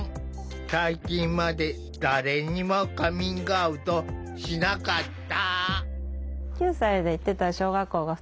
最近まで誰にもカミングアウトしなかった。